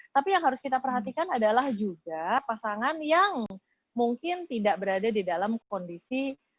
tapi yang harus kita perhatikan adalah juga pasangan yang mungkin tidak berada di dalam kondisi